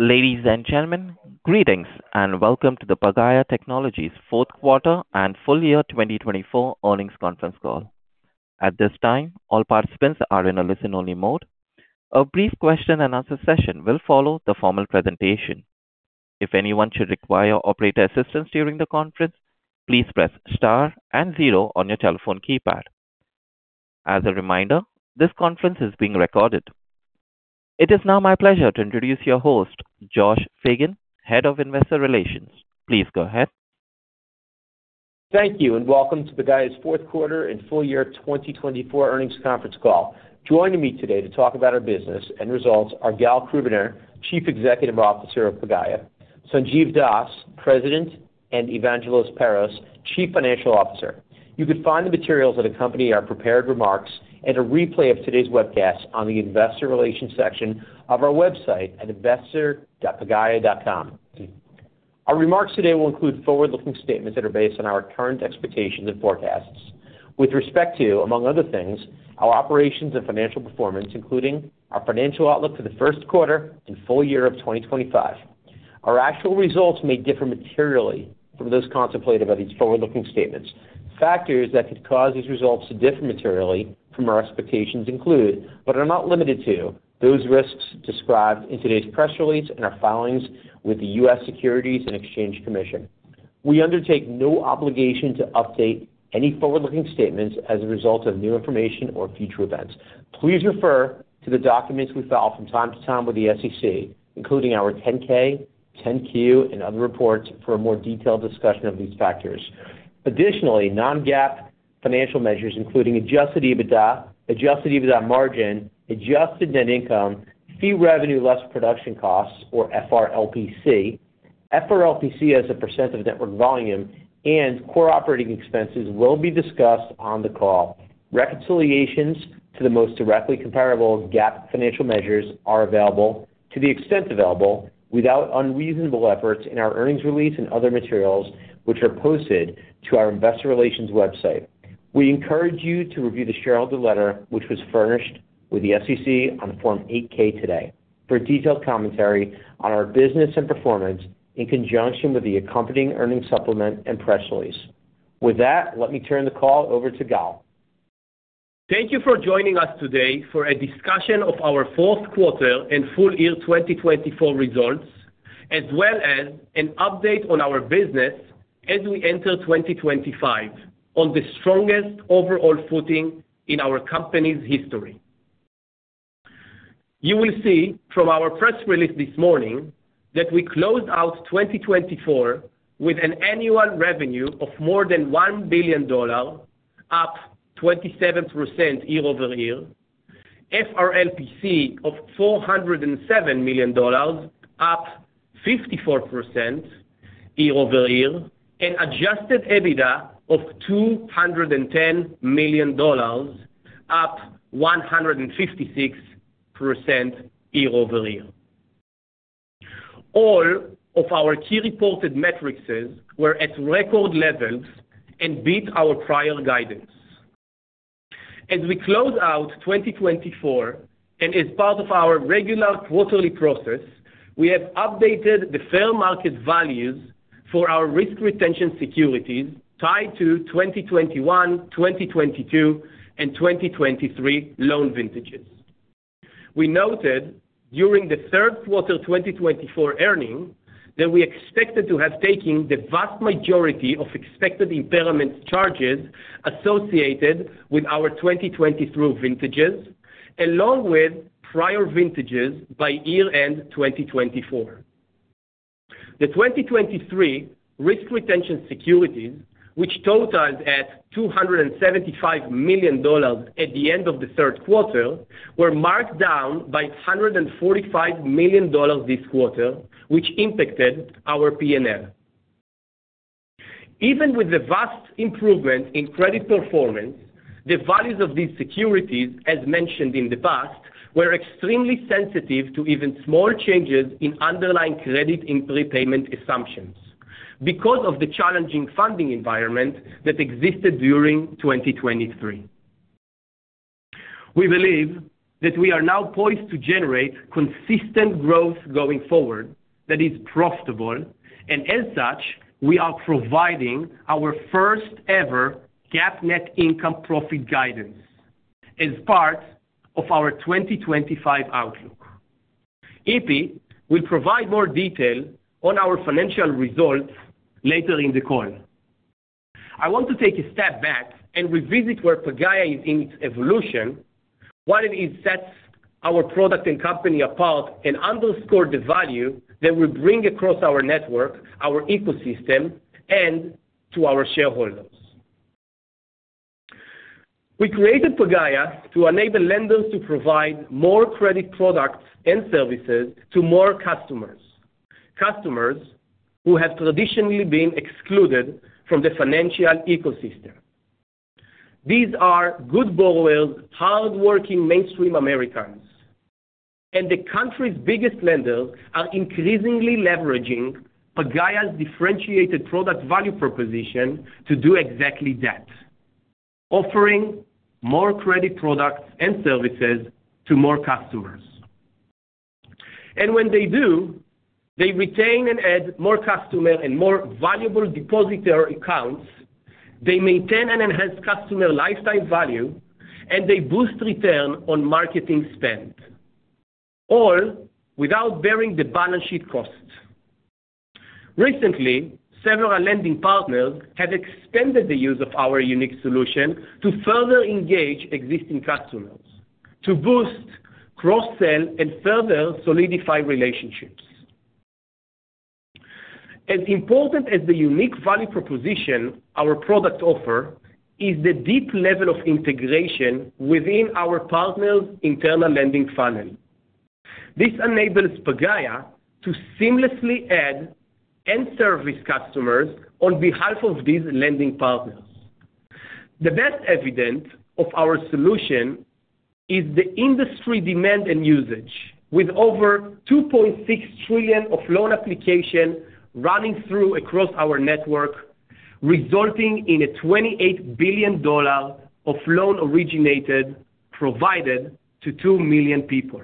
At this time, all participants are in a listen-only mode. A brief question-and-answer session will follow the formal presentation. If anyone should require operator assistance during the conference, please press star and zero on your telephone keypad. As a reminder, this conference is being recorded. It is now my pleasure to introduce your host, Josh Fagen, Head of Investor Relations. Please go ahead. Thank you and welcome to Pagaya's Fourth Quarter and Full Year 2024 Earnings Conference Call. Joining me today to talk about our business and results are Gal Krubiner, Chief Executive Officer of Pagaya; Sanjiv Das, President; and Evangelos Perros, Chief Financial Officer. You can find the materials that accompany our prepared remarks and a replay of today's webcast on the Investor Relations section of our website at investor.pagaya.com. Our remarks today will include forward-looking statements that are based on our current expectations and forecasts, with respect to, among other things, our operations and financial performance, including our financial outlook for the first quarter and full year of 2025. Our actual results may differ materially from those contemplated by these forward-looking statements. Factors that could cause these results to differ materially from our expectations include, but are not limited to, those risks described in today's press release and our filings with the U.S. Securities and Exchange Commission. We undertake no obligation to update any forward-looking statements as a result of new information or future events. Please refer to the documents we file from time to time with the SEC, including our 10-K, 10-Q, and other reports, for a more detailed discussion of these factors. Additionally, non-GAAP financial measures, including adjusted EBITDA, adjusted EBITDA margin, Adjusted Net income, Fee Revenue Less Production Costs, or FRLPC, FRLPC as a % of network volume, and core operating expenses, will be discussed on the call. Reconciliations to the most directly comparable GAAP financial measures are available to the extent available without unreasonable efforts in our earnings release and other materials, which are posted to our Investor Relations website. We encourage you to review the shareholder letter, which was furnished with the SEC on Form 8-K today, for detailed commentary on our business and performance in conjunction with the accompanying earnings supplement and press release. With that, let me turn the call over to Gal. Thank you for joining us today for a discussion of our Fourth Quarter and Full Year 2024 results, as well as an update on our business as we enter 2025 on the strongest overall footing in our company's history. You will see from our press release this morning that we closed out 2024 with an annual revenue of more than $1 billion, up 27% year over year, FRLPC of $407 million, up 54% year over year, and adjusted EBITDA of $210 million, up 156% year over year. All of our key reported metrics were at record levels and beat our prior guidance. As we close out 2024, and as part of our regular quarterly process, we have updated the fair market values for our risk retention securities tied to 2021, 2022, and 2023 loan vintages. We noted during the third quarter 2024 earnings that we expected to have taken the vast majority of expected impairment charges associated with our 2023 vintages, along with prior vintages by year-end 2024. The 2023 risk retention securities, which totaled at $275 million at the end of the third quarter, were marked down by $145 million this quarter, which impacted our P&L. Even with the vast improvement in credit performance, the values of these securities, as mentioned in the past, were extremely sensitive to even small changes in underlying credit and prepayment assumptions because of the challenging funding environment that existed during 2023. We believe that we are now poised to generate consistent growth going forward that is profitable, and as such, we are providing our first-ever GAAP net income profit guidance as part of our 2025 outlook. EP will provide more detail on our financial results later in the call. I want to take a step back and revisit where Pagaya is in its evolution, while it sets our product and company apart and underscores the value that we bring across our network, our ecosystem, and to our shareholders. We created Pagaya to enable lenders to provide more credit products and services to more customers, customers who have traditionally been excluded from the financial ecosystem. These are good borrowers, hardworking mainstream Americans, and the country's biggest lenders are increasingly leveraging Pagaya's differentiated product value proposition to do exactly that, offering more credit products and services to more customers, and when they do, they retain and add more customers and more valuable depositor accounts, they maintain and enhance customer lifetime value, and they boost return on marketing spend, all without bearing the balance sheet costs. Recently, several lending partners have expanded the use of our unique solution to further engage existing customers, to boost cross-sell, and further solidify relationships. As important as the unique value proposition our product offers is the deep level of integration within our partners' internal lending funnel. This enables Pagaya to seamlessly add and service customers on behalf of these lending partners. The best evidence of our solution is the industry demand and usage, with over 2.6 trillion of loan applications running through across our network, resulting in a $28 billion of loan originated provided to 2 million people.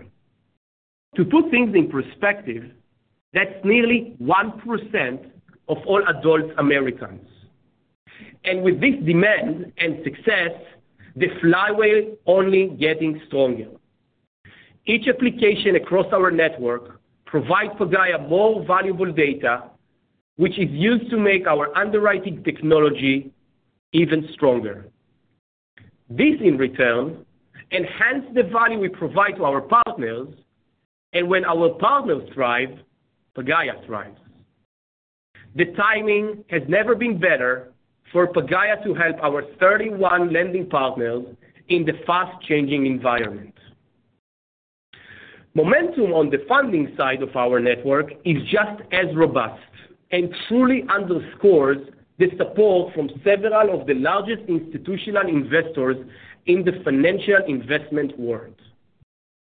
To put things in perspective, that's nearly 1% of all adult Americans, and with this demand and success, the flywheel is only getting stronger. Each application across our network provides Pagaya more valuable data, which is used to make our underwriting technology even stronger. This, in return, enhances the value we provide to our partners, and when our partners thrive, Pagaya thrives. The timing has never been better for Pagaya to help our 31 lending partners in the fast-changing environment. Momentum on the funding side of our network is just as robust and truly underscores the support from several of the largest institutional investors in the financial investment world.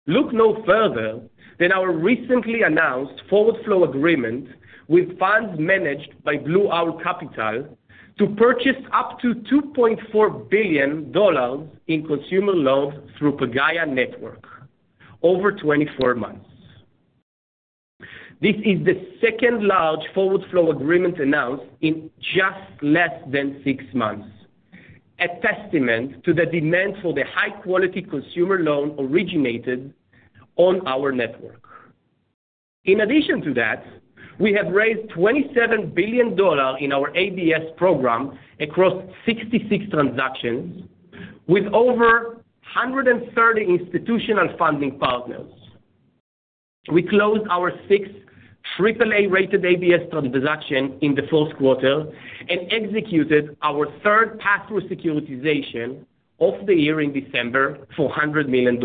Look no further than our recently announced forward flow agreement with funds managed by Blue Owl Capital to purchase up to $2.4 billion in consumer loans through Pagaya Network over 24 months. This is the second large forward flow agreement announced in just less than six months, a testament to the demand for the high-quality consumer loan originated on our network. In addition to that, we have raised $27 billion in our ABS program across 66 transactions with over 130 institutional funding partners. We closed our sixth AAA-rated ABS transaction in the fourth quarter and executed our third pass-through securitization of the year in December for $100 million.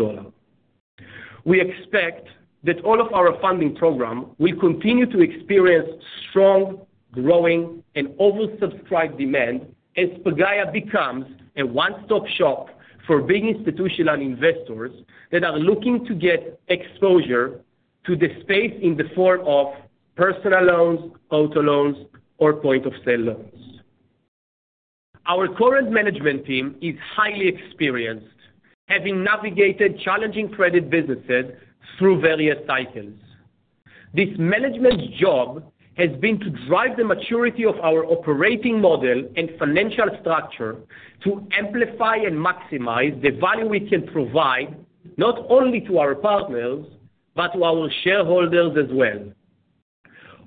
We expect that all of our funding programs will continue to experience strong, growing, and oversubscribed demand as Pagaya becomes a one-stop shop for big institutional investors that are looking to get exposure to the space in the form of personal loans, auto loans, or point-of-sale loans. Our current management team is highly experienced, having navigated challenging credit businesses through various cycles. This management job has been to drive the maturity of our operating model and financial structure to amplify and maximize the value we can provide not only to our partners but to our shareholders as well.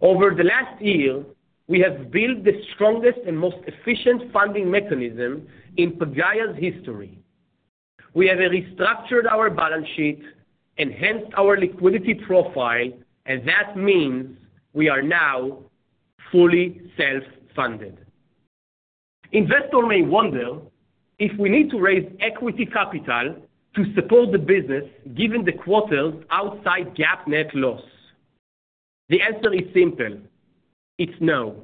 Over the last year, we have built the strongest and most efficient funding mechanism in Pagaya's history. We have restructured our balance sheet, enhanced our liquidity profile, and that means we are now fully self-funded. Investors may wonder if we need to raise equity capital to support the business given the quarter's outside GAAP net loss. The answer is simple. It's no.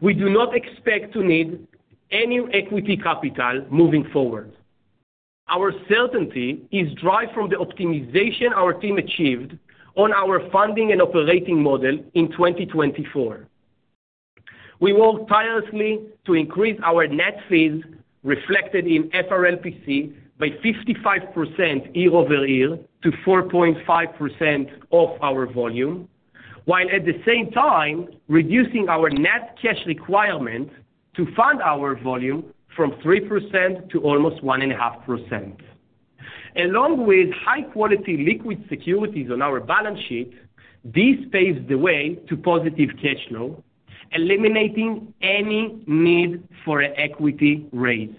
We do not expect to need any equity capital moving forward. Our certainty is derived from the optimization our team achieved on our funding and operating model in 2024. We worked tirelessly to increase our net fees, reflected in FRLPC, by 55% year over year to 4.5% of our volume, while at the same time reducing our net cash requirement to fund our volume from 3% to almost 1.5%. Along with high-quality liquid securities on our balance sheet, this paves the way to positive cash flow, eliminating any need for an equity raise.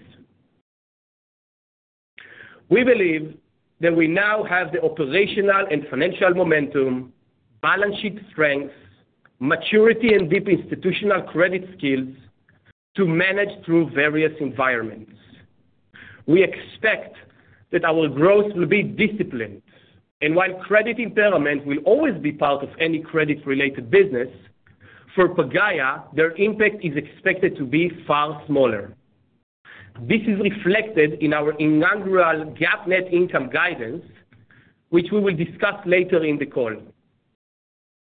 We believe that we now have the operational and financial momentum, balance sheet strength, maturity, and deep institutional credit skills to manage through various environments. We expect that our growth will be disciplined, and while credit impairment will always be part of any credit-related business, for Pagaya, their impact is expected to be far smaller. This is reflected in our inaugural GAAP net income guidance, which we will discuss later in the call.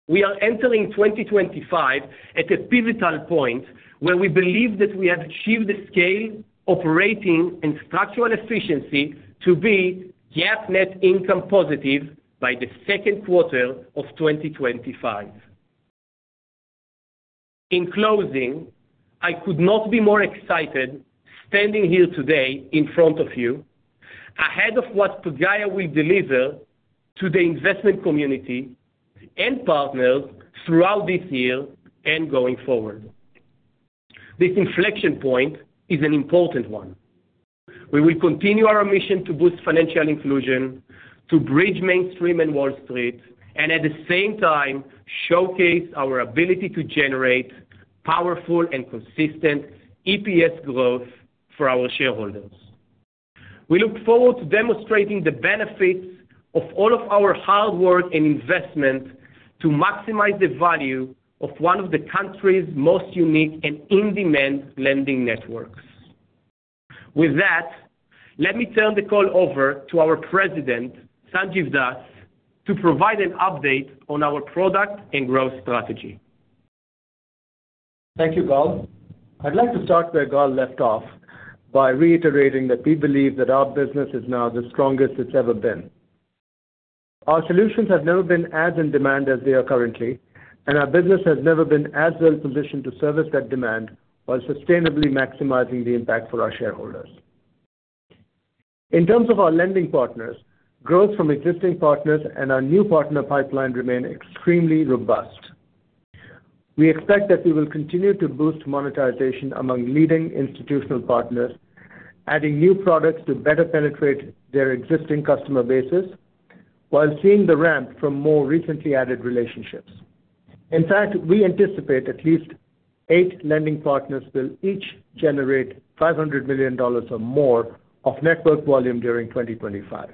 We are entering 2025 at a pivotal point where we believe that we have achieved the scale, operating, and structural efficiency to be GAAP net income positive by the second quarter of 2025. In closing, I could not be more excited standing here today in front of you ahead of what Pagaya will deliver to the investment community and partners throughout this year and going forward. This inflection point is an important one. We will continue our mission to boost financial inclusion, to bridge mainstream and Wall Street, and at the same time showcase our ability to generate powerful and consistent EPS growth for our shareholders. We look forward to demonstrating the benefits of all of our hard work and investment to maximize the value of one of the country's most unique and in-demand lending networks. With that, let me turn the call over to our President, Sanjiv Das, to provide an update on our product and growth strategy. Thank you, Gal. I'd like to start where Gal left off by reiterating that we believe that our business is now the strongest it's ever been. Our solutions have never been as in demand as they are currently, and our business has never been as well positioned to service that demand while sustainably maximizing the impact for our shareholders. In terms of our lending partners, growth from existing partners and our new partner pipeline remain extremely robust. We expect that we will continue to boost monetization among leading institutional partners, adding new products to better penetrate their existing customer bases while seeing the ramp from more recently added relationships. In fact, we anticipate at least eight lending partners will each generate $500 million or more of network volume during 2025.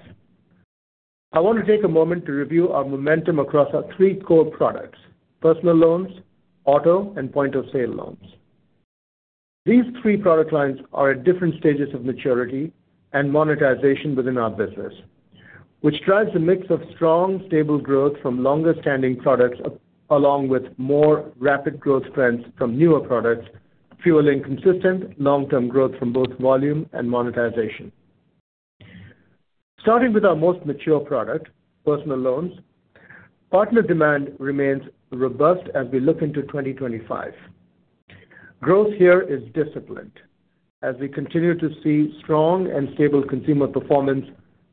I want to take a moment to review our momentum across our three core products: personal loans, auto, and point-of-sale loans. These three product lines are at different stages of maturity and monetization within our business, which drives a mix of strong, stable growth from longer-standing products along with more rapid growth trends from newer products, fueling consistent long-term growth from both volume and monetization. Starting with our most mature product, personal loans, partner demand remains robust as we look into 2025. Growth here is disciplined as we continue to see strong and stable consumer performance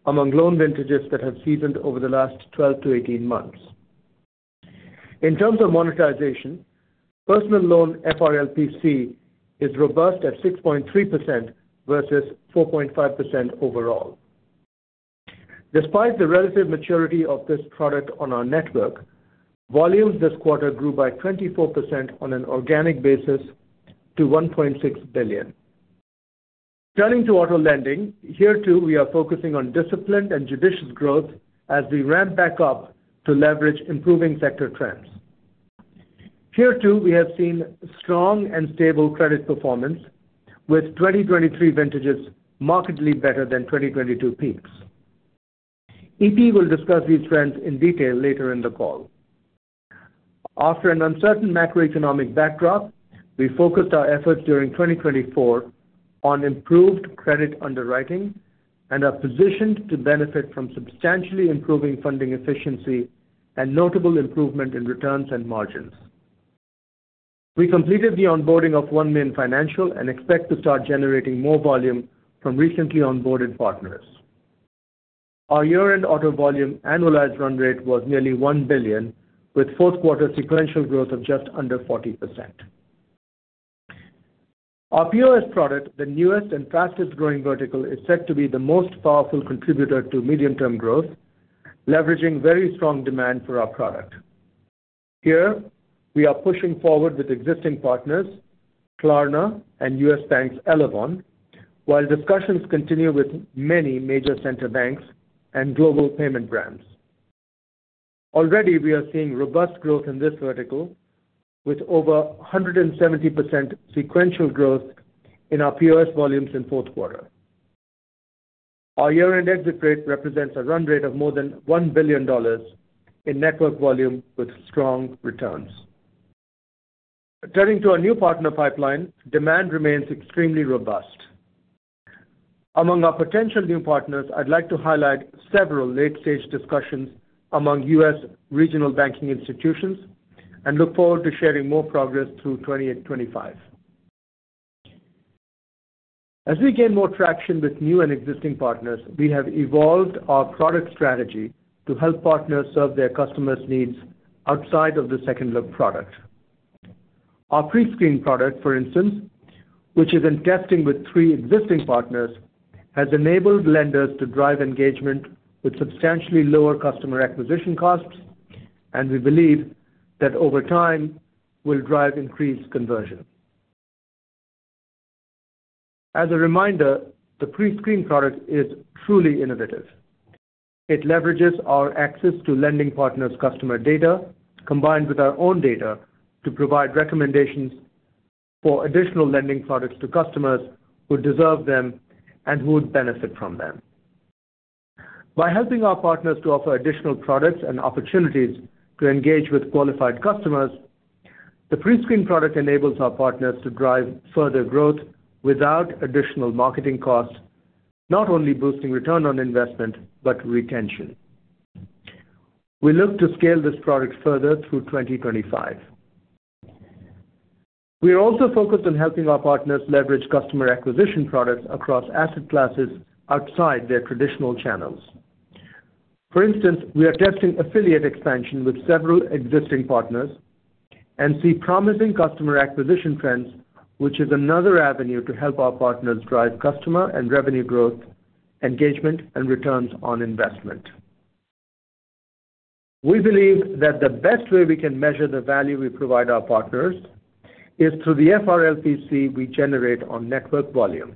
among loan vintages that have seasoned over the last 12 to 18 months. In terms of monetization, personal loan FRLPC is robust at 6.3% versus 4.5% overall. Despite the relative maturity of this product on our network, volume this quarter grew by 24% on an organic basis to $1.6 billion. Turning to auto lending, here too we are focusing on disciplined and judicious growth as we ramp back up to leverage improving sector trends. Here too we have seen strong and stable credit performance, with 2023 vintages markedly better than 2022 peaks. Ep will discuss these trends in detail later in the call. After an uncertain macroeconomic backdrop, we focused our efforts during 2024 on improved credit underwriting and are positioned to benefit from substantially improving funding efficiency and notable improvement in returns and margins. We completed the onboarding of OneMain Financial and expect to start generating more volume from recently onboarded partners. Our year-end auto volume annualized run rate was nearly $1 billion, with fourth-quarter sequential growth of just under 40%. Our POS product, the newest and fastest-growing vertical, is set to be the most powerful contributor to medium-term growth, leveraging very strong demand for our product. Here, we are pushing forward with existing partners, Klarna and U.S. Bank's Elavon, while discussions continue with many major retail banks and global payment brands. Already, we are seeing robust growth in this vertical, with over 170% sequential growth in our POS volumes in fourth quarter. Our year-end exit rate represents a run rate of more than $1 billion in network volume with strong returns. Turning to our new partner pipeline, demand remains extremely robust. Among our potential new partners, I'd like to highlight several late-stage discussions among U.S. regional banking institutions and look forward to sharing more progress through 2025. As we gain more traction with new and existing partners, we have evolved our product strategy to help partners serve their customers' needs outside of the second-look product. Our pre-screen product, for instance, which is in testing with three existing partners, has enabled lenders to drive engagement with substantially lower customer acquisition costs, and we believe that over time will drive increased conversion. As a reminder, the pre-screen product is truly innovative. It leverages our access to lending partners' customer data combined with our own data to provide recommendations for additional lending products to customers who deserve them and who would benefit from them. By helping our partners to offer additional products and opportunities to engage with qualified customers, the pre-screen product enables our partners to drive further growth without additional marketing costs, not only boosting return on investment but retention. We look to scale this product further through 2025. We are also focused on helping our partners leverage customer acquisition products across asset classes outside their traditional channels. For instance, we are testing affiliate expansion with several existing partners and see promising customer acquisition trends, which is another avenue to help our partners drive customer and revenue growth, engagement, and returns on investment. We believe that the best way we can measure the value we provide our partners is through the FRLPC we generate on network volume.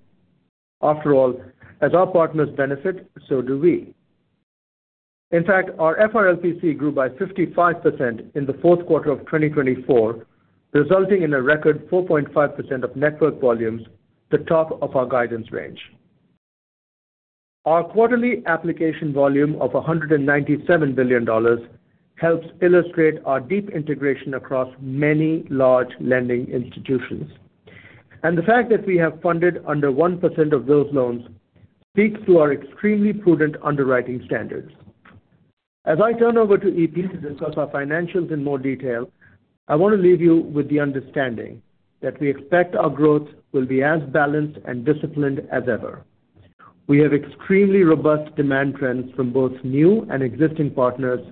After all, as our partners benefit, so do we. In fact, our FRLPC grew by 55% in the fourth quarter of 2024, resulting in a record 4.5% of network volumes to top of our guidance range. Our quarterly application volume of $197 billion helps illustrate our deep integration across many large lending institutions, and the fact that we have funded under 1% of those loans speaks to our extremely prudent underwriting standards. As I turn over to EP to discuss our financials in more detail, I want to leave you with the understanding that we expect our growth will be as balanced and disciplined as ever. We have extremely robust demand trends from both new and existing partners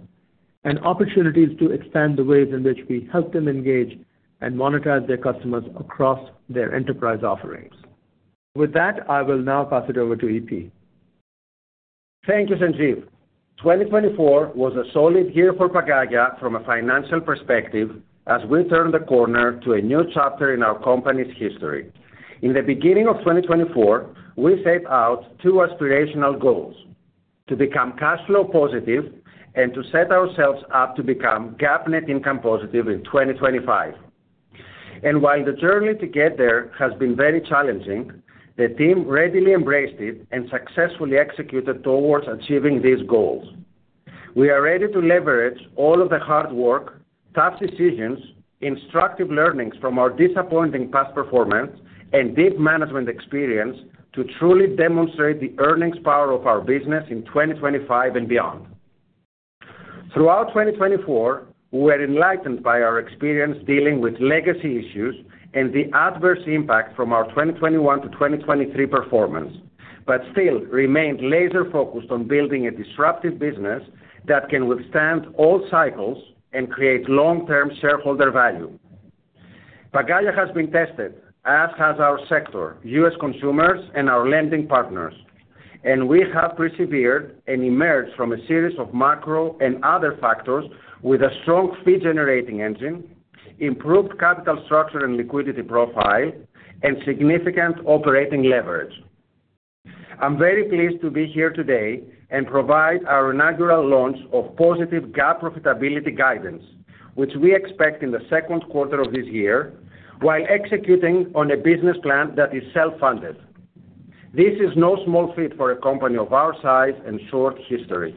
and opportunities to expand the ways in which we help them engage and monetize their customers across their enterprise offerings. With that, I will now pass it over to Ep. Thank you, Sanjiv. 2024 was a solid year for Pagaya from a financial perspective as we turned the corner to a new chapter in our company's history. In the beginning of 2024, we set out two aspirational goals: to become cash flow positive and to set ourselves up to become GAAP net income positive in 2025. And while the journey to get there has been very challenging, the team readily embraced it and successfully executed towards achieving these goals. We are ready to leverage all of the hard work, tough decisions, instructive learnings from our disappointing past performance, and deep management experience to truly demonstrate the earnings power of our business in 2025 and beyond. Throughout 2024, we were enlightened by our experience dealing with legacy issues and the adverse impact from our 2021 to 2023 performance, but still remained laser-focused on building a disruptive business that can withstand all cycles and create long-term shareholder value. Pagaya has been tested, as has our sector, U.S. consumers, and our lending partners, and we have persevered and emerged from a series of macro and other factors with a strong fee-generating engine, improved capital structure and liquidity profile, and significant operating leverage. I'm very pleased to be here today and provide our inaugural launch of positive GAAP profitability guidance, which we expect in the second quarter of this year while executing on a business plan that is self-funded. This is no small feat for a company of our size and short history.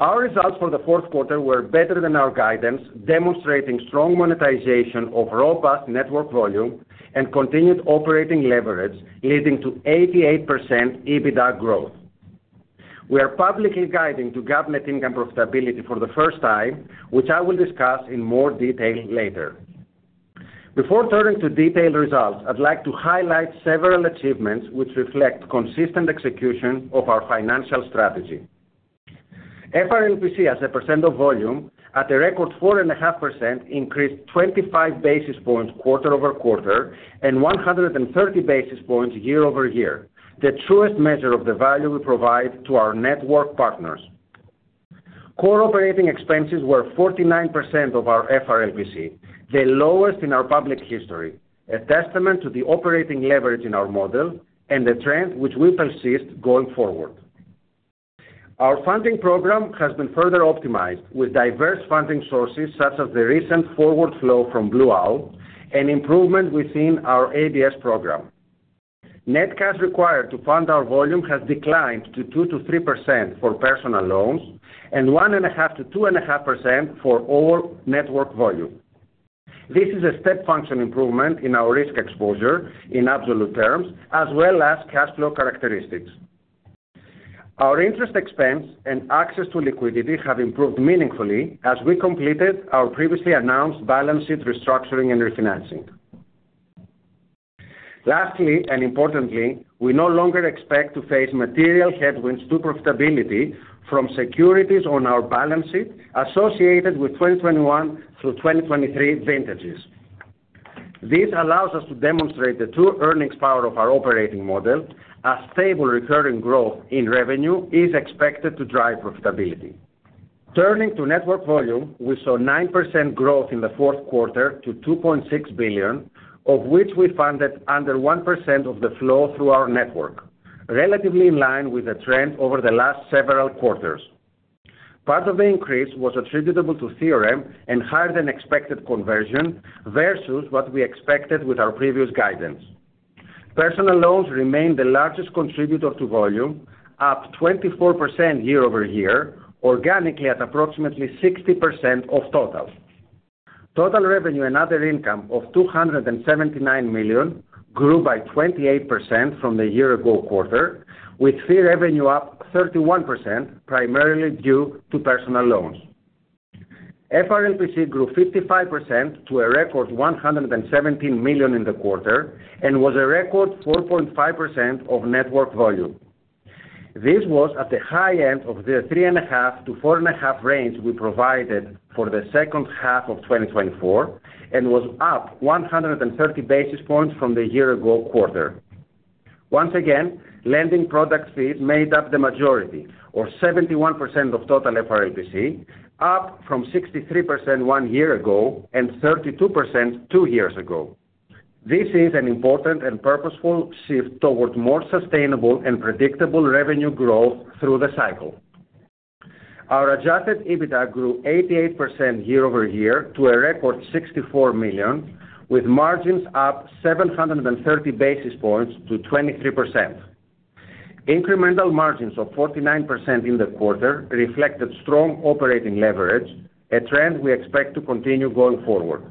Our results for the fourth quarter were better than our guidance, demonstrating strong monetization of robust network volume and continued operating leverage, leading to 88% EBITDA growth. We are publicly guiding to GAAP net income profitability for the first time, which I will discuss in more detail later. Before turning to detailed results, I'd like to highlight several achievements which reflect consistent execution of our financial strategy. FRLPC, as a % of volume, at a record 4.5%, increased 25 basis points quarter over quarter and 130 basis points year over year, the truest measure of the value we provide to our network partners. Core operating expenses were 49% of our FRLPC, the lowest in our public history, a testament to the operating leverage in our model and the trend which will persist going forward. Our funding program has been further optimized with diverse funding sources such as the recent forward flow from Blue Owl and improvement within our ABS program. Net cash required to fund our volume has declined to 2%-3% for personal loans and 1.5%-2.5% for all network volume. This is a step function improvement in our risk exposure in absolute terms, as well as cash flow characteristics. Our interest expense and access to liquidity have improved meaningfully as we completed our previously announced balance sheet restructuring and refinancing. Lastly, and importantly, we no longer expect to face material headwinds to profitability from securities on our balance sheet associated with 2021 through 2023 vintages. This allows us to demonstrate the true earnings power of our operating model, as stable recurring growth in revenue is expected to drive profitability. Turning to network volume, we saw 9% growth in the fourth quarter to $2.6 billion, of which we funded under 1% of the flow through our network, relatively in line with the trend over the last several quarters. Part of the increase was attributable to the ramp and higher-than-expected conversion versus what we expected with our previous guidance. Personal loans remain the largest contributor to volume, up 24% year over year, organically at approximately 60% of total. Total revenue and other income of $279 million grew by 28% from the year-ago quarter, with fee revenue up 31%, primarily due to personal loans. FRLPC grew 55% to a record $117 million in the quarter and was a record 4.5% of network volume. This was at the high end of the 3.5%-4.5% range we provided for the second half of 2024 and was up 130 basis points from the year-ago quarter. Once again, lending product fees made up the majority, or 71% of total FRLPC, up from 63% one year ago and 32% two years ago. This is an important and purposeful shift toward more sustainable and predictable revenue growth through the cycle. Our adjusted EBITDA grew 88% year over year to a record $64 million, with margins up 730 basis points to 23%. Incremental margins of 49% in the quarter reflected strong operating leverage, a trend we expect to continue going forward.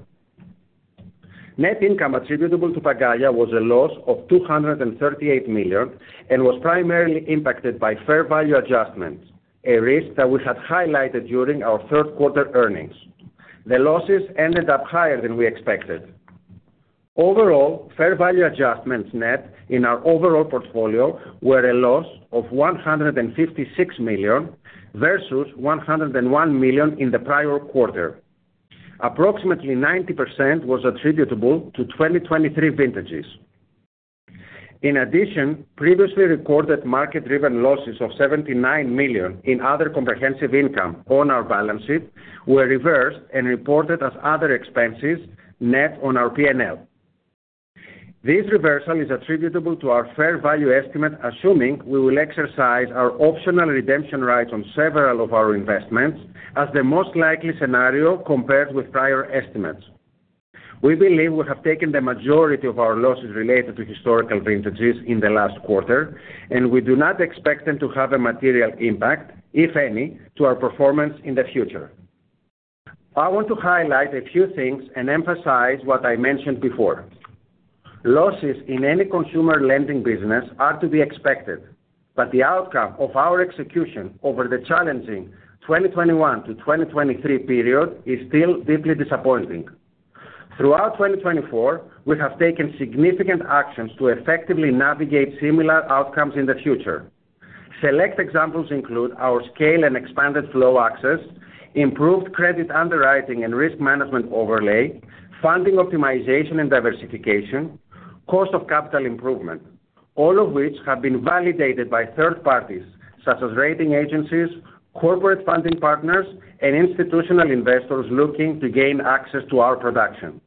Net income attributable to Pagaya was a loss of $238 million and was primarily impacted by fair value adjustments, a risk that we had highlighted during our third-quarter earnings. The losses ended up higher than we expected. Overall, fair value adjustments net in our overall portfolio were a loss of $156 million versus $101 million in the prior quarter. Approximately 90% was attributable to 2023 vintages. In addition, previously recorded market-driven losses of $79 million in other comprehensive income on our balance sheet were reversed and reported as other expenses net on our P&L. This reversal is attributable to our fair value estimate, assuming we will exercise our optional redemption rights on several of our investments as the most likely scenario compared with prior estimates. We believe we have taken the majority of our losses related to historical vintages in the last quarter, and we do not expect them to have a material impact, if any, to our performance in the future. I want to highlight a few things and emphasize what I mentioned before. Losses in any consumer lending business are to be expected, but the outcome of our execution over the challenging 2021-2023 period is still deeply disappointing. Throughout 2024, we have taken significant actions to effectively navigate similar outcomes in the future. Select examples include our scale and expanded flow access, improved credit underwriting and risk management overlay, funding optimization and diversification, cost of capital improvement, all of which have been validated by third parties such as rating agencies, corporate funding partners, and institutional investors looking to gain access to our production.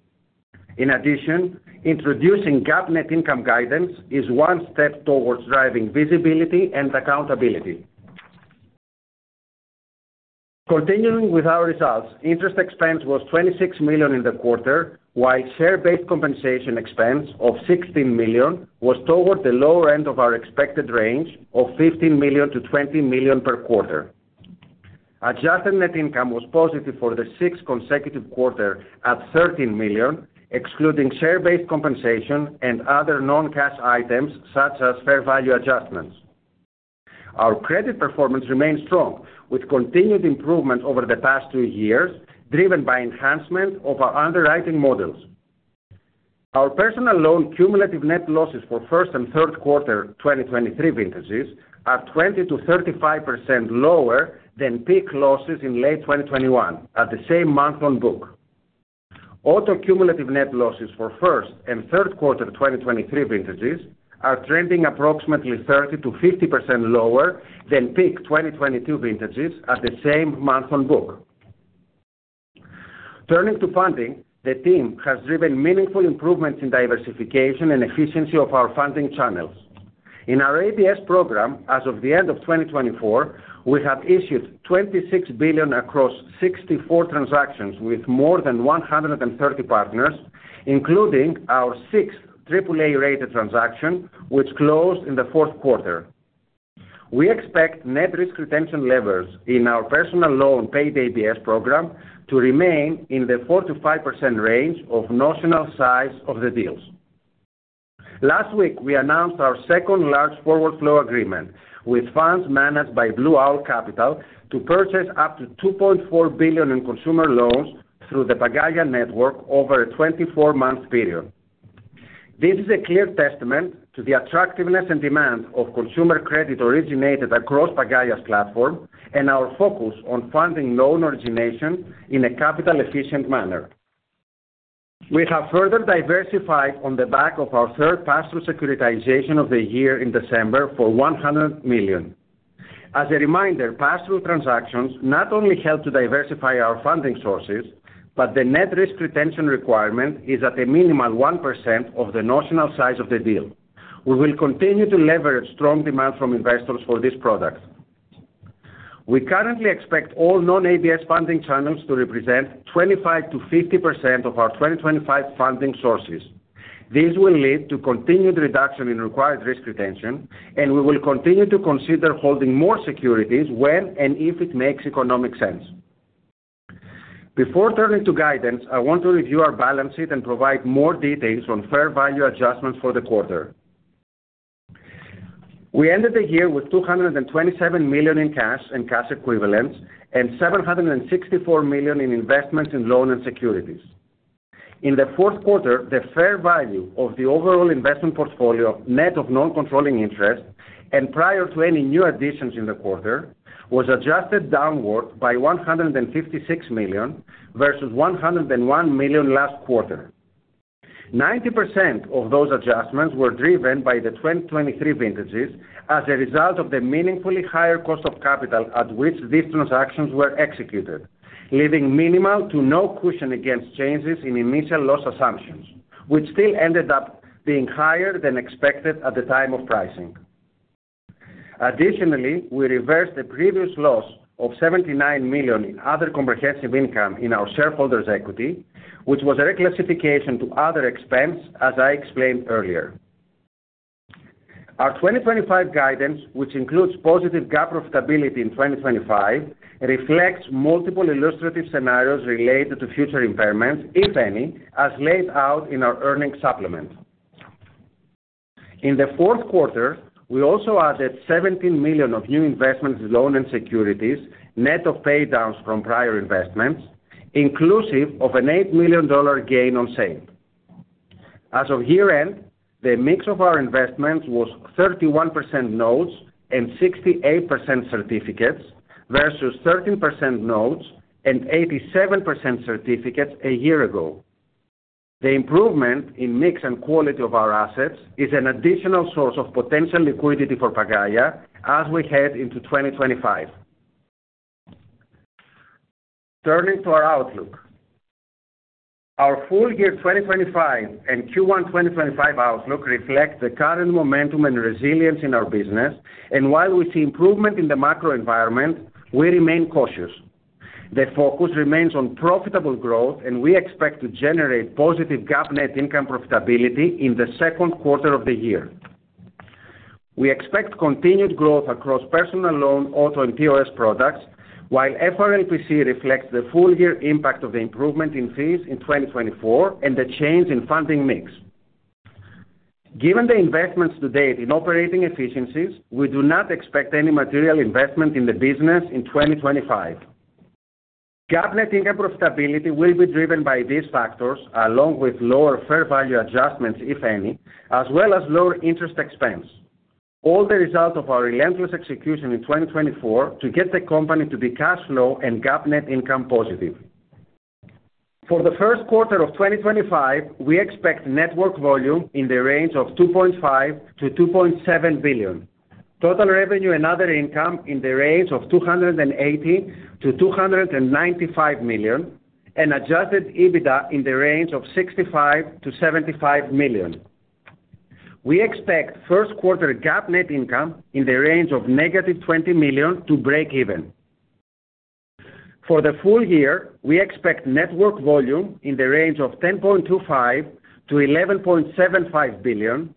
In addition, introducing GAAP net income guidance is one step towards driving visibility and accountability. Continuing with our results, interest expense was $26 million in the quarter, while share-based compensation expense of $16 million was toward the lower end of our expected range of $15 million-$20 million per quarter. Adjusted net income was positive for the sixth consecutive quarter at $13 million, excluding share-based compensation and other non-cash items such as fair value adjustments. Our credit performance remains strong, with continued improvement over the past two years, driven by enhancement of our underwriting models. Our personal loan cumulative net losses for first and third quarter 2023 vintages are 20%-35% lower than peak losses in late 2021 at the same month-on-book. Auto cumulative net losses for first and third quarter 2023 vintages are trending approximately 30%-50% lower than peak 2022 vintages at the same month-on-book. Turning to funding, the team has driven meaningful improvements in diversification and efficiency of our funding channels. In our ABS program, as of the end of 2024, we have issued $26 billion across 64 transactions with more than 130 partners, including our sixth AAA-rated transaction, which closed in the fourth quarter. We expect net risk retention levels in our personal loan-based ABS program to remain in the 4%-5% range of notional size of the deals. Last week, we announced our second large forward flow agreement with funds managed by Blue Owl Capital to purchase up to $2.4 billion in consumer loans through the Pagaya network over a 24-month period. This is a clear testament to the attractiveness and demand of consumer credit originated across Pagaya's platform and our focus on funding loan origination in a capital-efficient manner. We have further diversified on the back of our third pass-through securitization of the year in December for $100 million. As a reminder, pass-through transactions not only help to diversify our funding sources, but the net risk retention requirement is at a minimal 1% of the notional size of the deal. We will continue to leverage strong demand from investors for this product. We currently expect all non-ABS funding channels to represent 25%-50% of our 2025 funding sources. This will lead to continued reduction in required risk retention, and we will continue to consider holding more securities when and if it makes economic sense. Before turning to guidance, I want to review our balance sheet and provide more details on fair value adjustments for the quarter. We ended the year with $227 million in cash and cash equivalents and $764 million in investments in loans and securities. In the fourth quarter, the fair value of the overall investment portfolio net of non-controlling interest and prior to any new additions in the quarter was adjusted downward by $156 million versus $101 million last quarter. 90% of those adjustments were driven by the 2023 vintages as a result of the meaningfully higher cost of capital at which these transactions were executed, leaving minimal to no cushion against changes in initial loss assumptions, which still ended up being higher than expected at the time of pricing. Additionally, we reversed the previous loss of $79 million in other comprehensive income in our shareholders' equity, which was a reclassification to other expense, as I explained earlier. Our 2025 guidance, which includes positive GAAP profitability in 2025, reflects multiple illustrative scenarios related to future impairments, if any, as laid out in our earnings supplement. In the fourth quarter, we also added $17 million of new investments in loans and securities net of paydowns from prior investments, inclusive of an $8 million gain on sale. As of year-end, the mix of our investments was 31% notes and 68% certificates versus 13% notes and 87% certificates a year ago. The improvement in mix and quality of our assets is an additional source of potential liquidity for Pagaya as we head into 2025. Turning to our outlook, our full year 2025 and Q1 2025 outlook reflect the current momentum and resilience in our business, and while we see improvement in the macro environment, we remain cautious. The focus remains on profitable growth, and we expect to generate positive GAAP net income profitability in the second quarter of the year. We expect continued growth across personal loan, auto, and POS products, while FRLPC reflects the full year impact of the improvement in fees in 2024 and the change in funding mix. Given the investments to date in operating efficiencies, we do not expect any material investment in the business in 2025. GAAP net income profitability will be driven by these factors, along with lower fair value adjustments, if any, as well as lower interest expense. All the result of our relentless execution in 2024 to get the company to be cash flow and GAAP net income positive. For the first quarter of 2025, we expect network volume in the range of $2.5-$2.7 billion, total revenue and other income in the range of $280-$295 million, and Adjusted EBITDA in the range of $65-$75 million. We expect first quarter GAAP net income in the range of negative $20 million to break even. For the full year, we expect network volume in the range of $10.25-$11.75 billion,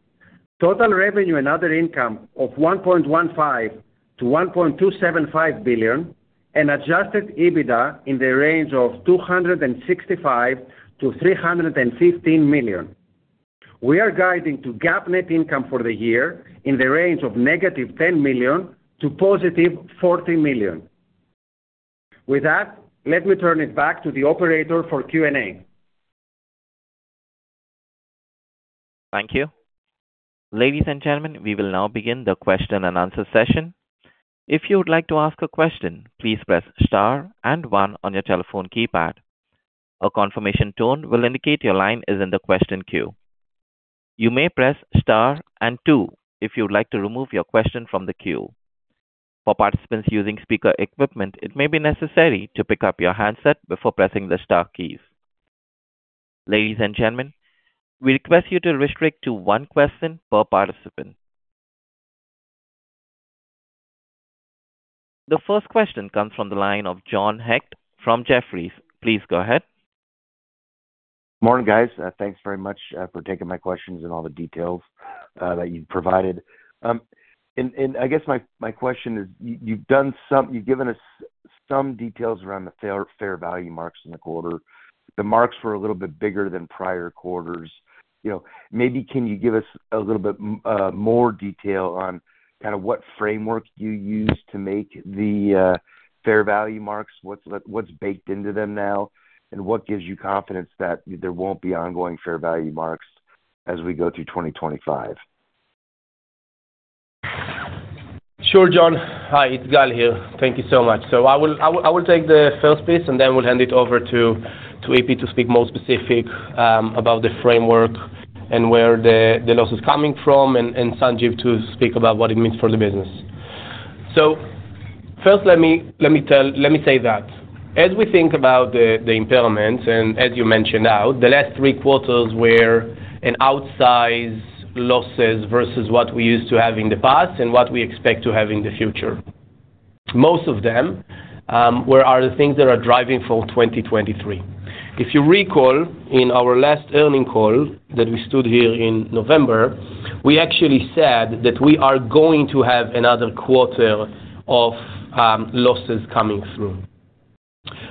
total revenue and other income of $1.15-$1.275 billion, and Adjusted EBITDA in the range of $265-$315 million. We are guiding to GAAP net income for the year in the range of negative $10 million to positive $40 million. With that, let me turn it back to the operator for Q&A. Thank you. Ladies and gentlemen, we will now begin the question and answer session. If you would like to ask a question, please press star and one on your telephone keypad. A confirmation tone will indicate your line is in the question queue. You may press star and two if you would like to remove your question from the queue. For participants using speaker equipment, it may be necessary to pick up your handset before pressing the star keys. Ladies and gentlemen, we request you to restrict to one question per participant. The first question comes from the line of John Hecht from Jefferies. Please go ahead. Morning, guys. Thanks very much for taking my questions and all the details that you've provided. And I guess my question is, you've given us some details around the fair value marks in the quarter. The marks were a little bit bigger than prior quarters. Maybe can you give us a little bit more detail on kind of what framework you used to make the fair value marks, what's baked into them now, and what gives you confidence that there won't be ongoing fair value marks as we go through 2025? Sure, John. Hi, it's Gal here. Thank you so much.I will take the first piece, and then we'll hand it over to EP to speak more specifically about the framework and where the loss is coming from, and Sanjiv to speak about what it means for the business. First, let me say that as we think about the impairments, and as you mentioned out, the last three quarters were an outsize losses versus what we used to have in the past and what we expect to have in the future. Most of them were the things that are driving for 2023. If you recall in our last earnings call that we stood here in November, we actually said that we are going to have another quarter of losses coming through.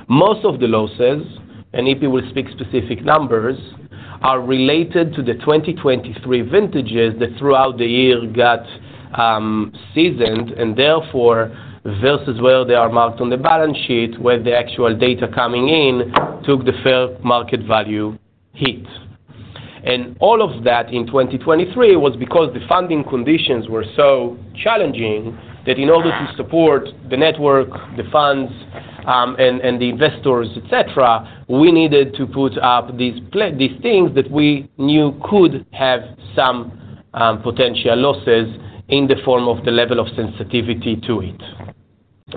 Most of the losses, and EP will speak specific numbers, are related to the 2023 vintages that throughout the year got seasoned, and therefore, versus where they are marked on the balance sheet, where the actual data coming in took the fair value hit. And all of that in 2023 was because the funding conditions were so challenging that in order to support the network, the funds, and the investors, etc., we needed to put up these things that we knew could have some potential losses in the form of the level of sensitivity to it.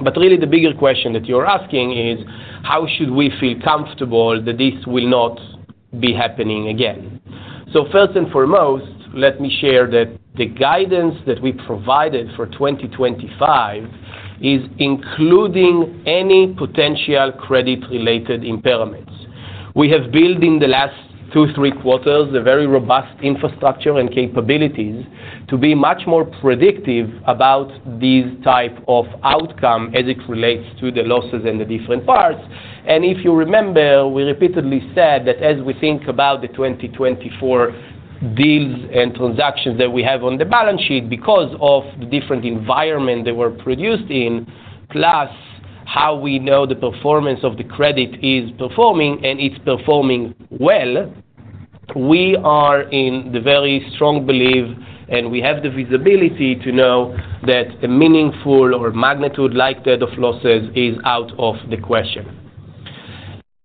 But really, the bigger question that you're asking is, how should we feel comfortable that this will not be happening again? So first and foremost, let me share that the guidance that we provided for 2025 is including any potential credit-related impairments. We have built in the last two, three quarters a very robust infrastructure and capabilities to be much more predictive about these types of outcomes as it relates to the losses and the different parts, and if you remember, we repeatedly said that as we think about the 2024 deals and transactions that we have on the balance sheet because of the different environment that we produced in, plus how we know the performance of the credit is performing and it's performing well, we are in the very strong belief and we have the visibility to know that a meaningful or magnitude-like depth of losses is out of the question.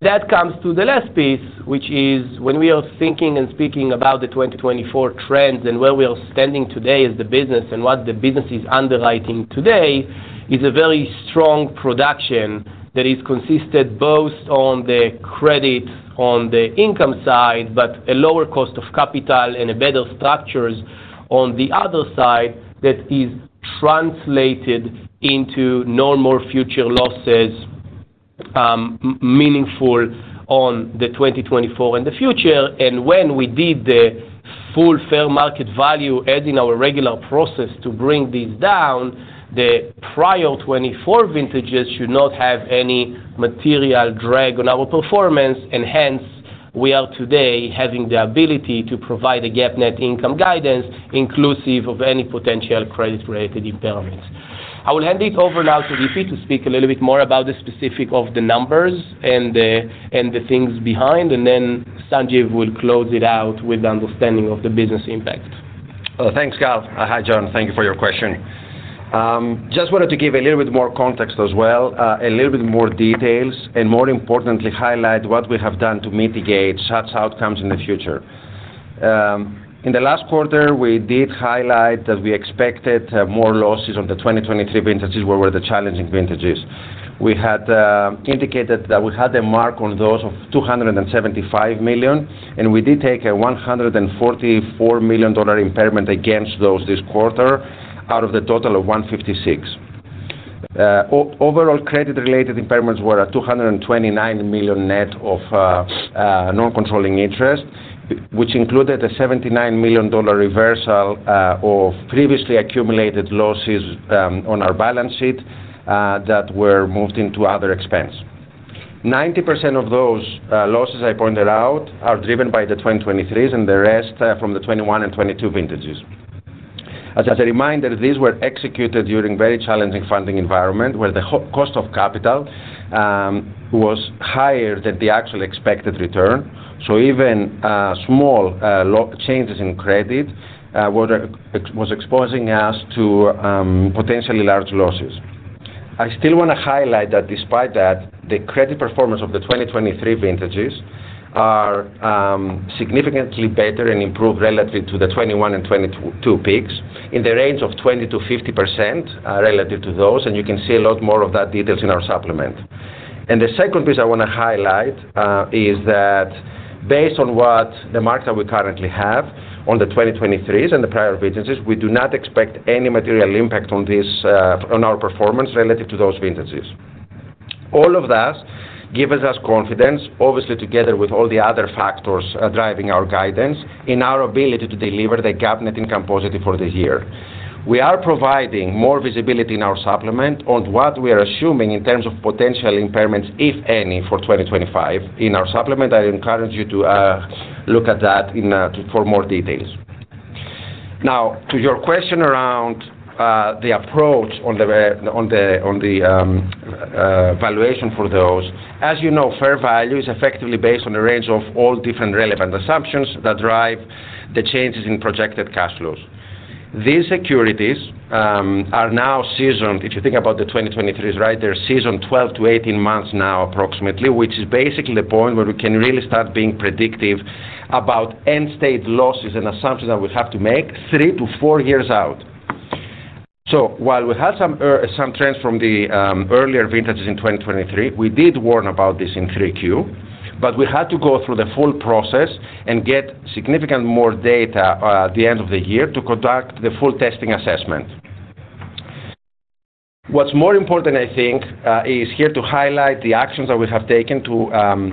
That comes to the last piece, which is when we are thinking and speaking about the 2024 trends and where we are standing today as the business and what the business is underwriting today, is a very strong production that is consistent both on the credit on the income side, But a lower cost of capital and better structures on the other side that is translated into no more future losses meaningful on the 2024 and the future, and when we did the full fair market value as in our regular process to bring these down, the prior 24 vintages should not have any material drag on our performance, and hence we are today having the ability to provide a GAAP net income guidance inclusive of any potential credit-related impairments.I will hand it over now to EP to speak a little bit more about the specifics of the numbers and the things behind, and then Sanjeev will close it out with the understanding of the business impact. Thanks, Gal. Hi, John. Thank you for your question. Just wanted to give a little bit more context as well, a little bit more details, and more importantly, highlight what we have done to mitigate such outcomes in the future. In the last quarter, we did highlight that we expected more losses on the 2023 vintages where we're the challenging vintages. We had indicated that we had a mark on those of $275 million, and we did take a $144 million impairment against those this quarter out of the total of $156. Overall, credit-related impairments were a $229 million net of non-controlling interest, which included a $79 million reversal of previously accumulated losses on our balance sheet that were moved into other expense. 90% of those losses I pointed out are driven by the 2023s and the rest from the 2021 and 2022 vintages. As a reminder, these were executed during a very challenging funding environment where the cost of capital was higher than the actual expected return, so even small changes in credit were exposing us to potentially large losses. I still want to highlight that despite that, the credit performance of the 2023 vintages are significantly better and improved relatively to the 2021 and 2022 vintages in the range of 20% to 50% relative to those, and you can see a lot more of that details in our supplement. And the second piece I want to highlight is that based on the marks that we currently have on the 2023s and the prior vintages, we do not expect any material impact on our performance relative to those vintages. All of that gives us confidence, obviously together with all the other factors driving our guidance in our ability to deliver the GAAP net income positive for the year. We are providing more visibility in our supplement on what we are assuming in terms of potential impairments, if any, for 2025 in our supplement. I encourage you to look at that for more details. Now, to your question around the approach on the valuation for those, as you know, fair value is effectively based on a range of all different relevant assumptions that drive the changes in projected cash flows. These securities are now seasoned. If you think about the 2023s, right, they're seasoned 12-18 months now approximately, which is basically the point where we can really start being predictive about end-stage losses and assumptions that we have to make three to four years out. So while we had some trends from the earlier vintages in 2023, we did warn about this in 3Q, but we had to go through the full process and get significant more data at the end of the year to conduct the full testing assessment. What's more important, I think, is here to highlight the actions that we have taken to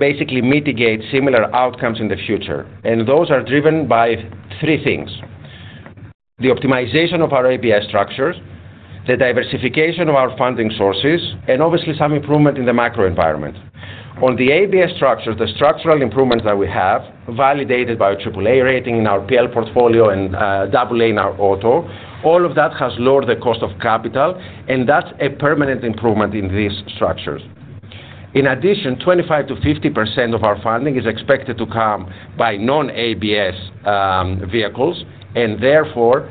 basically mitigate similar outcomes in the future. And those are driven by three things: the optimization of our ABS structures, the diversification of our funding sources, and obviously some improvement in the macro environment. On the ABS structures, the structural improvements that we have validated by AAA rating in our PL portfolio and AA in our auto, all of that has lowered the cost of capital, and that's a permanent improvement in these structures. In addition, 25%-50% of our funding is expected to come by non-ABS vehicles and therefore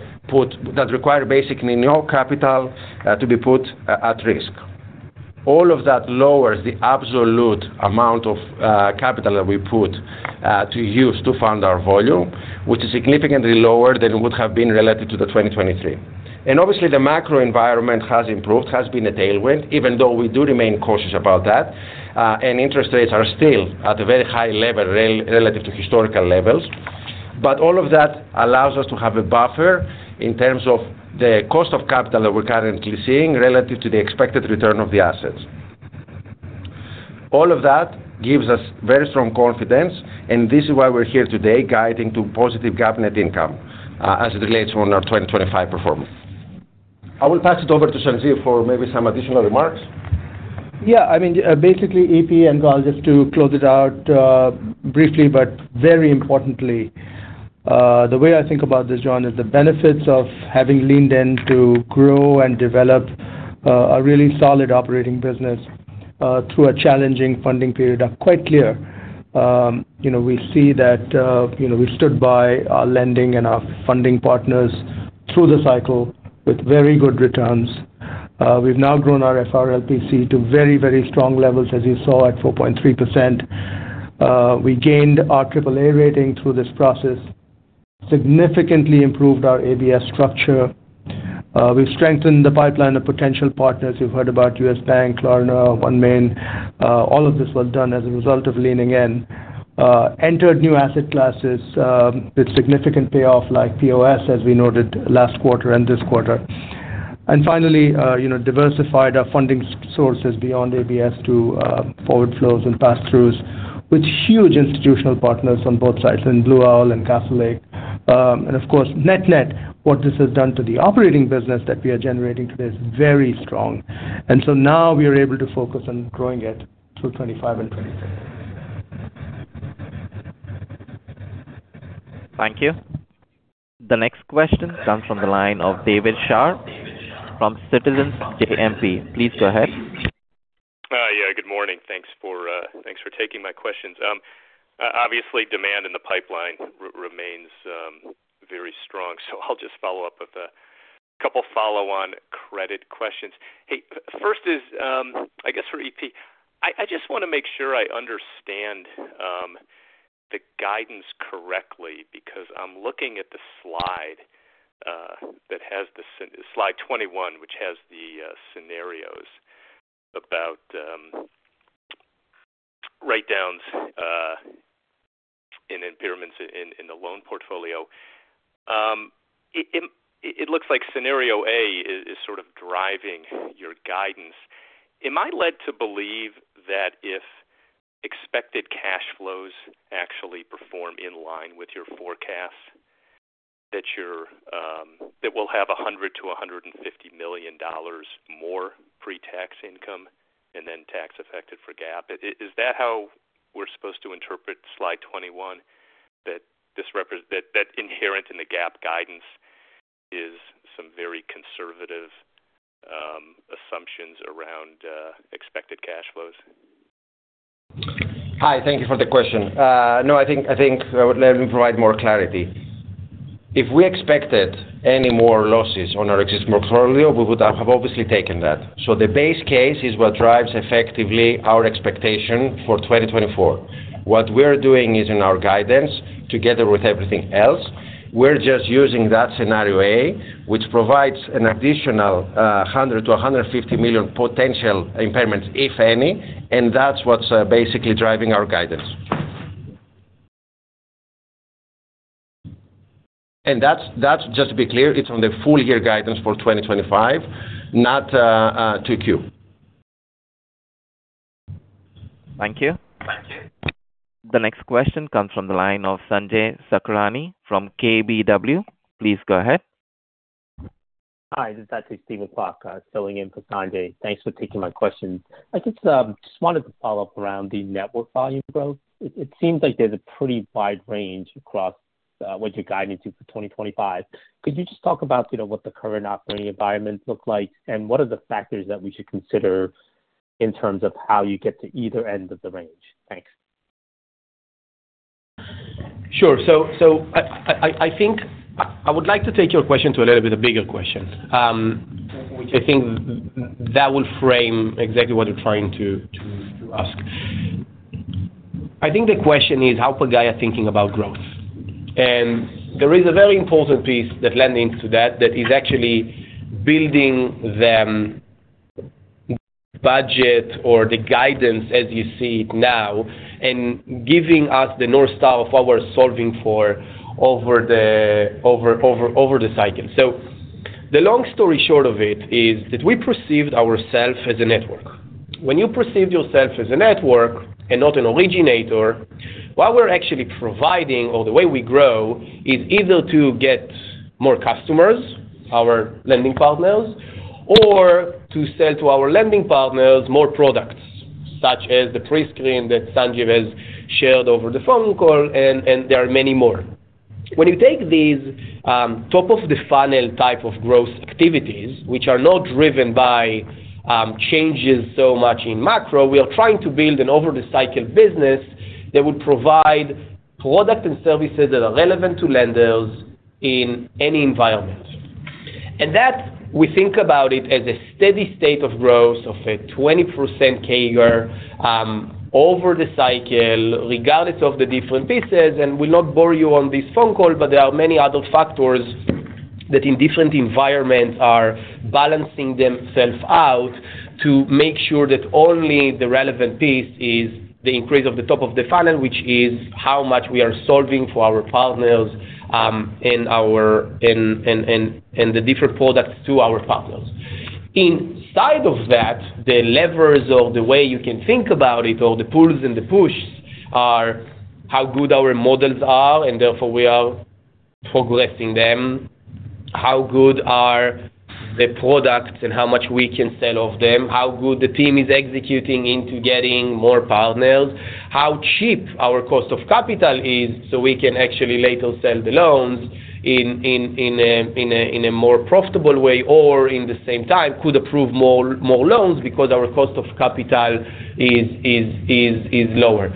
that require basically no capital to be put at risk. All of that lowers the absolute amount of capital that we put to use to fund our volume, which is significantly lower than it would have been relative to the 2023. And obviously, the macro environment has improved, has been a tailwind, even though we do remain cautious about that, and interest rates are still at a very high level relative to historical levels. But all of that allows us to have a buffer in terms of the cost of capital that we're currently seeing relative to the expected return of the assets. All of that gives us very strong confidence, and this is why we're here today guiding to positive GAAP net income as it relates to our 2025 performance. I will pass it over to Sanjiv for maybe some additional remarks. Yeah.I mean, basically, EP and Gal, just to close it out briefly, but very importantly, the way I think about this, John, is the benefits of having leaned in to grow and develop a really solid operating business through a challenging funding period are quite clear. We see that we stood by our lending and our funding partners through the cycle with very good returns. We've now grown our FRLPC to very, very strong levels, as you saw at 4.3%. We gained our AAA rating through this process, significantly improved our ABS structure. We've strengthened the pipeline of potential partners. You've heard about U.S. Bank, Klarna, OneMain. All of this was done as a result of leaning in, entered new asset classes with significant payoff like POS, as we noted last quarter and this quarter. And finally, diversified our funding sources beyond ABS to forward flows and pass-throughs with huge institutional partners on both sides in Blue Owl and Castlelake.And of course, net-net, what this has done to the operating business that we are generating today is very strong. And so now we are able to focus on growing it through 2025 and 2026. Thank you. The next question comes from the line of David Scharf from Citizens JMP. Please go ahead. Yeah. Good morning. Thanks for taking my questions. Obviously, demand in the pipeline remains very strong, so I'll just follow up with a couple of follow-on credit questions. Hey, first is, I guess for EP, I just want to make sure I understand the guidance correctly because I'm looking at the slide that has the slide 21, which has the scenarios about write-downs and impairments in the loan portfolio. It looks like scenario A is sort of driving your guidance. Am I led to believe that if expected cash flows actually perform in line with your forecast, that we'll have $100-$150 million more pre-tax income and then tax-affected for GAAP? Is that how we're supposed to interpret slide 21, that inherent in the GAAP guidance is some very conservative assumptions around expected cash flows? Hi. Thank you for the question. No, I think I would let him provide more clarity. If we expected any more losses on our existing portfolio, we would have obviously taken that. So the base case is what drives effectively our expectation for 2024. What we're doing is in our guidance, together with everything else, we're just using that scenario A, which provides an additional $100-$150 million potential impairments, if any, and that's what's basically driving our guidance. And just to be clear, it's on the full-year guidance for 2025, not 2Q. Thank you. Thank you. The next question comes from the line of Sanjay Sakhrani from KBW. Please go ahead. Hi. This is actually Steven Kwok filling in for Sanjay. Thanks for taking my question. I just wanted to follow up around the network volume growth. It seems like there's a pretty wide range across what you're guiding to for 2025. Could you just talk about what the current operating environment looks like and what are the factors that we should consider in terms of how you get to either end of the range? Thanks. Sure. So I think I would like to take your question to a little bit bigger question, which I think that will frame exactly what you're trying to ask. I think the question is, how, per GAAP, we are thinking about growth? And there is a very important piece that leads into that that is actually building the budget or the guidance as you see it now and giving us the North Star of what we're solving for over the cycle, so the long story short of it is that we perceived ourselves as a network. When you perceive yourself as a network and not an originator, what we're actually providing or the way we grow is either to get more customers, our lending partners, or to sell to our lending partners more products, such as the pre-screen that Sanjiv has shared over the phone call, and there are many more. When you take these top of the funnel type of growth activities, which are not driven by changes so much in macro, we are trying to build an over-the-cycle business that would provide products and services that are relevant to lenders in any environment. That, we think about it as a steady state of growth of a 20% CAGR over the cycle, regardless of the different pieces, and will not bore you on this phone call, but there are many other factors that in different environments are balancing themselves out to make sure that only the relevant piece is the increase of the top-of-the-funnel, which is how much we are solving for our partners and the different products to our partners. Inside of that, the levers or the way you can think about it or the pulls and the pushes are how good our models are, and therefore we are progressing them, how good are the products and how much we can sell of them, how good the team is executing into getting more partners, how cheap our cost of capital is so we can actually later sell the loans in a more profitable way, or in the same time, could approve more loans because our cost of capital is lower.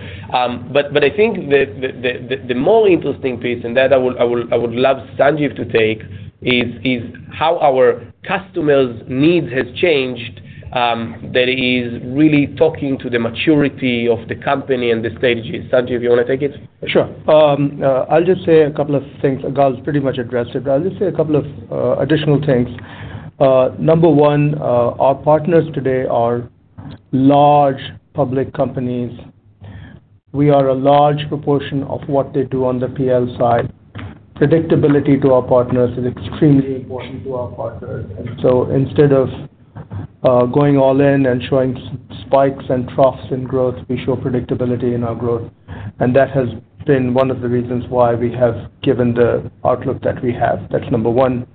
But I think the more interesting piece, and that I would love Sanjiv to take, is how our customers' needs have changed, that is really talking to the maturity of the company and the stages. Sanjiv, you want to take it? Sure. I'll just say a couple of things. Gal, it's pretty much addressed it, but I'll just say a couple of additional things. Number one, our partners today are large public companies. We are a large proportion of what they do on the PL side. Predictability to our partners is extremely important to our partners. And so instead of going all in and showing spikes and troughs in growth, we show predictability in our growth. And that has been one of the reasons why we have given the outlook that we have. That's number one.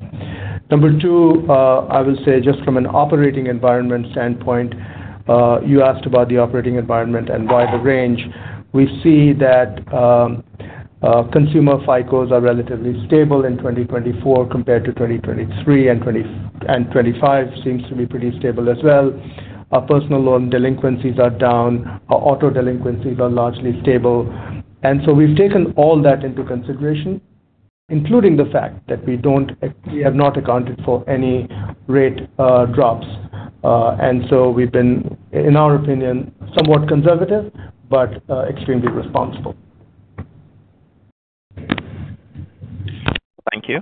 Number two, I will say just from an operating environment standpoint, you asked about the operating environment and why the range. We see that consumer FICOs are relatively stable in 2024 compared to 2023, and 2025 seems to be pretty stable as well. Our personal loan delinquencies are down. Our auto delinquencies are largely stable. And so we've taken all that into consideration, including the fact that we have not accounted for any rate drops. And so we've been, in our opinion, somewhat conservative but extremely responsible. Thank you.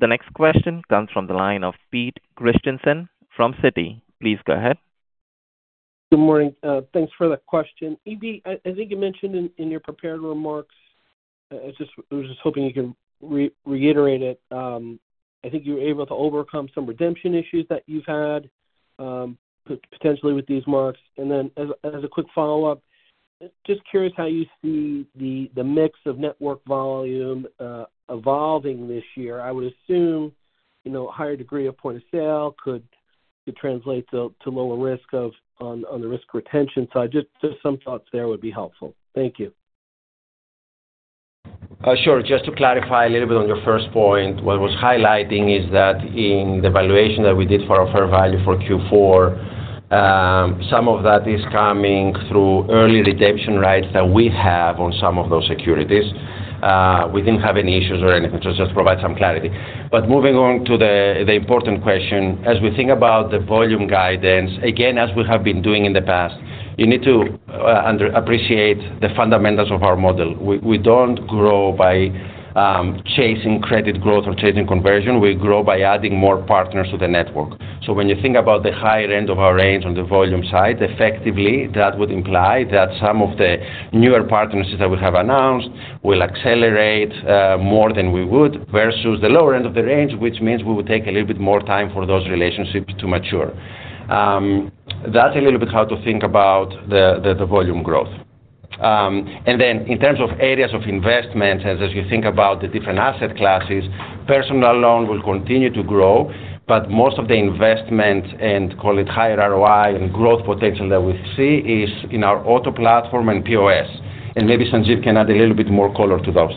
The next question comes from the line of Peter Christiansen from Citi. Please go ahead. Good morning. Thanks for the question. EP, I think you mentioned in your prepared remarks. I was just hoping you could reiterate it. I think you were able to overcome some redemption issues that you've had potentially with these marks. And then as a quick follow-up, just curious how you see the mix of network volume evolving this year. I would assume a higher degree of point of sale could translate to lower risk on the risk retention. So just some thoughts there would be helpful. Thank you. Sure.Just to clarify a little bit on your first point, what I was highlighting is that in the evaluation that we did for our fair value for Q4, some of that is coming through early redemption rights that we have on some of those securities. We didn't have any issues or anything. So just provide some clarity. But moving on to the important question, as we think about the volume guidance, again, as we have been doing in the past, you need to appreciate the fundamentals of our model. We don't grow by chasing credit growth or chasing conversion. We grow by adding more partners to the network. So when you think about the higher end of our range on the volume side, effectively, that would imply that some of the newer partners that we have announced will accelerate more than we would versus the lower end of the range, which means we will take a little bit more time for those relationships to mature. That's a little bit how to think about the volume growth. And then in terms of areas of investment, as you think about the different asset classes, personal loan will continue to grow, but most of the investment and call it higher ROI and growth potential that we see is in our auto platform and POS. And maybe Sanjiv can add a little bit more color to those.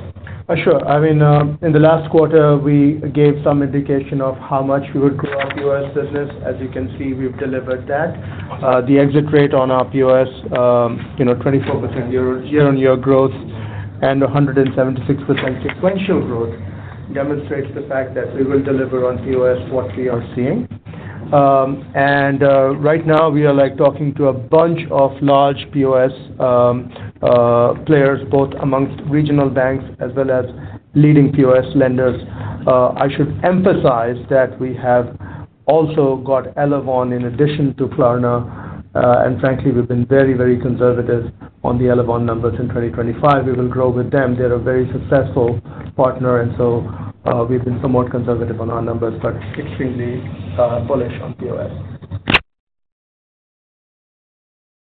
Sure. I mean, in the last quarter, we gave some indication of how much we would grow our POS business. As you can see, we've delivered that. The exit rate on our POS, 24% year-on-year growth and 176% sequential growth demonstrates the fact that we will deliver on POS what we are seeing. And right now, we are talking to a bunch of large POS players, both amongst regional banks as well as leading POS lenders. I should emphasize that we have also got Elavon, in addition to Klarna. And frankly, we've been very, very conservative on the Elavon numbers in 2025. We will grow with them. They're a very successful partner. And so we've been somewhat conservative on our numbers, but extremely bullish on POS.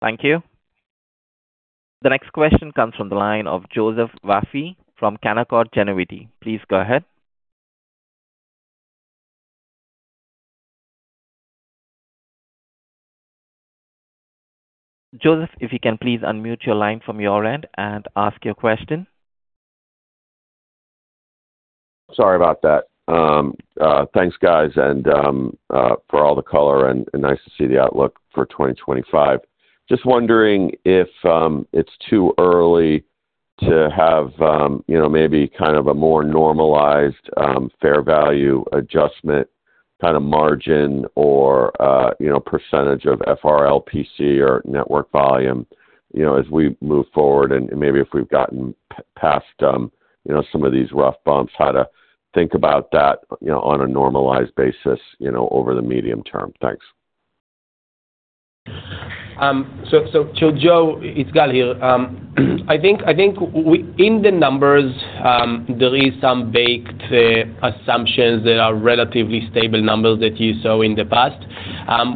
Thank you. The next question comes from the line of Joseph Vafi from Canaccord Genuity. Please go ahead. Joseph, if you can please unmute your line from your end and ask your question. Sorry about that. Thanks, guys, and for all the color, and nice to see the outlook for 2025. Just wondering if it's too early to have maybe kind of a more normalized fair value adjustment kind of margin or percentage of FRLPC or network volume as we move forward, and maybe if we've gotten past some of these rough bumps, how to think about that on a normalized basis over the medium term? Thanks. So Joe, it's Gal here. I think in the numbers, there are some baked assumptions that are relatively stable numbers that you saw in the past.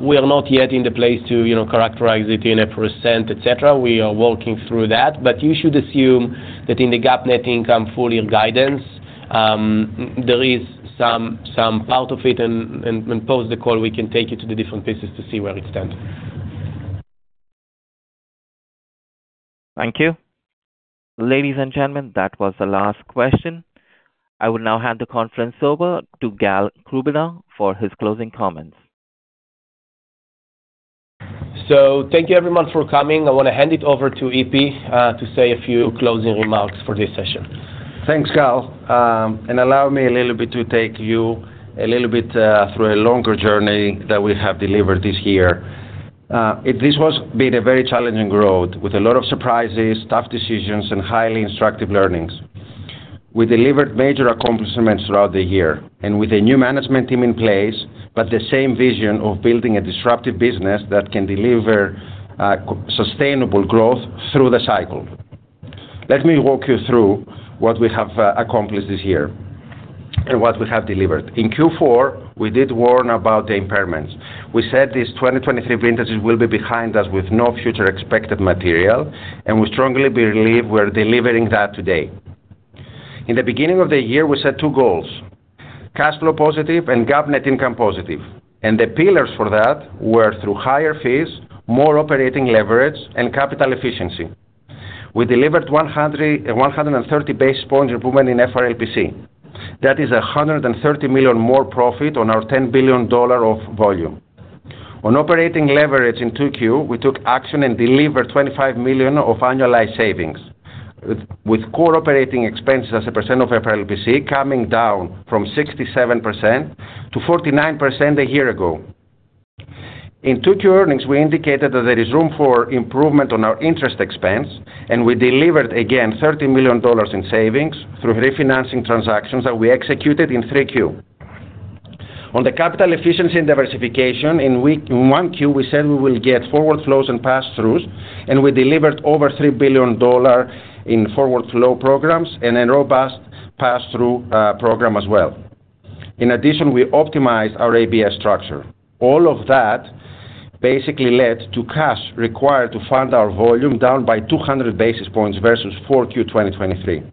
We are not yet in the place to characterize it in a percent, etc. We are working through that. But you should assume that in the GAAP net income full-year guidance, there is some part of it, and post the call, we can take you to the different pieces to see where it stands. Thank you. Ladies and gentlemen, that was the last question. I will now hand the conference over to Gal Krubiner for his closing comments. So thank you, everyone, for coming. I want to hand it over to EP to say a few closing remarks for this session. Thanks, Gal. And allow me a little bit to take you a little bit through a longer journey that we have delivered this year. This has been a very challenging growth with a lot of surprises, tough decisions, and highly instructive learnings. We delivered major accomplishments throughout the year and with a new management team in place, but the same vision of building a disruptive business that can deliver sustainable growth through the cycle. Let me walk you through what we have accomplished this year and what we have delivered. In Q4, we did warn about the impairments. We said these 2023 vintages will be behind us with no future expected material, and we strongly believe we are delivering that today.In the beginning of the year, we set two goals: cash flow positive and GAAP net income positive. And the pillars for that were through higher fees, more operating leverage, and capital efficiency. We delivered 130 basis points improvement in FRLPC. That is 130 million more profit on our $10 billion of volume. On operating leverage in Q2, we took action and delivered $25 million of annualized savings, with core operating expenses as a percent of FRLPC coming down from 67% to 49% a year ago. In Q2 earnings, we indicated that there is room for improvement on our interest expense, and we delivered, again, $30 million in savings through refinancing transactions that we executed in Q3. On the capital efficiency and diversification, in Q1, we said we will get forward flows and pass-throughs, and we delivered over $3 billion in forward flow programs and a robust pass-through program as well. In addition, we optimized our ABS structure. All of that basically led to cash required to fund our volume down by 200 basis points versus Q4 2023.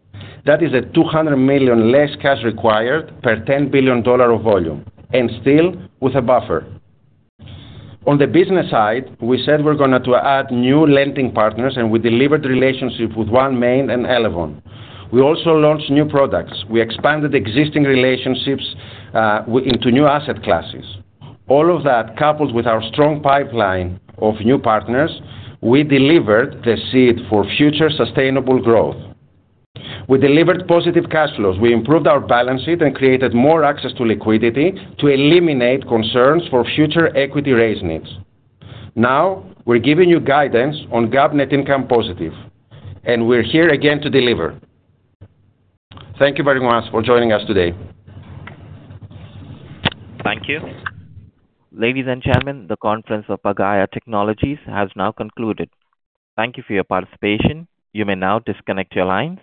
That is $200 million less cash required per $10 billion of volume, and still with a buffer. On the business side, we said we're going to add new lending partners, and we delivered relationships with OneMain and Elavon. We also launched new products. We expanded existing relationships into new asset classes. All of that, coupled with our strong pipeline of new partners, we delivered the seed for future sustainable growth. We delivered positive cash flows. We improved our balance sheet and created more access to liquidity to eliminate concerns for future equity raise needs. Now, we're giving you guidance on GAAP net income positive, and we're here again to deliver. Thank you very much for joining us today. Thank you. Ladies and gentlemen, the conference of Pagaya Technologies has now concluded. Thank you for your participation. You may now disconnect your lines.